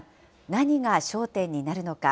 何が焦点になるのか。